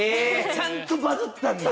ちゃんとバズったんだ